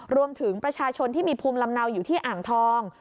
รวมถึงประชาชนที่มีภูมิลำเนาอยู่ที่อ่างทอง